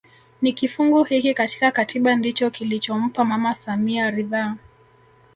Ni kifungu hiki katika katiba ndicho kilichompa mama samia ridhaa